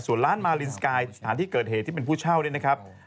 ส่วนร้านมาลินสกายสถานที่เกิดเหตุที่เป็นผู้เช่าเนี่ยนะครับ